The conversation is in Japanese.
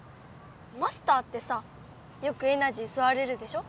マスターってさよくエナジーすわれるでしょ。